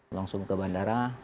langsung ke bandara